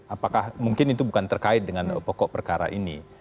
apakah mungkin itu bukan terkait dengan pokok perkara ini